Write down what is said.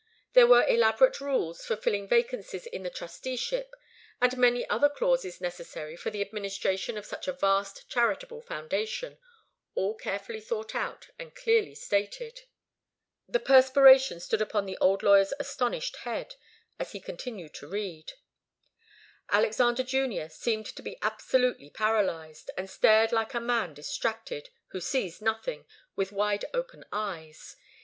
There were elaborate rules for filling vacancies in the trusteeship, and many other clauses necessary for the administration of such a vast charitable foundation, all carefully thought out and clearly stated. The perspiration stood upon the old lawyer's astonished head, as he continued to read. Alexander Junior seemed to be absolutely paralyzed, and stared like a man distracted, who sees nothing, with wide open eyes.